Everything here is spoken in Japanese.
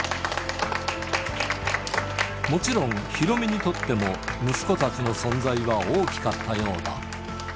もちろん、ヒロミにとっても、息子たちの存在は大きかったようだ。